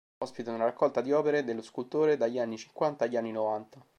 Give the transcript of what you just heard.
Ospita una raccolta di opere dello scultore, dagli anni cinquanta agli anni novanta.